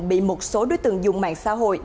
bị một số đối tượng dùng mạng xã hội